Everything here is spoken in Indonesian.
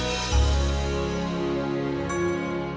terima kasih auntie